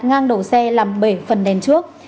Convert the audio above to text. ngang đầu xe làm bể phần đèn trước